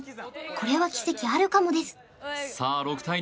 これは奇跡あるかもですさあ６対２